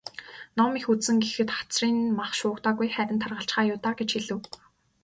"Ном их үзсэн гэхэд хацрын нь мах шуугдаагүй, харин таргалчихаа юу даа" гэж хэлэв.